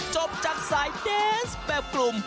จบจากสายเดนส์แบบกลุ่ม